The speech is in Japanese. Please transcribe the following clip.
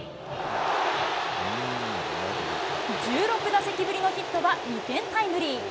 １６打席ぶりのヒットは２点タイムリー。